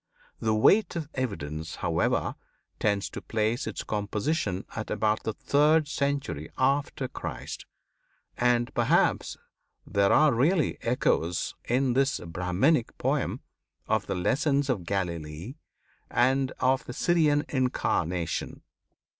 The weight of evidence, however, tends to place its composition at about the third century after Christ; and perhaps there are really echoes in this Brahmanic poem of the lessons of Galilee, and of the Syrian incarnation.